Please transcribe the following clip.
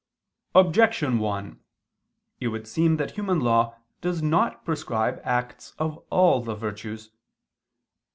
Objection 1: It would seem that human law does not prescribe acts of all the virtues.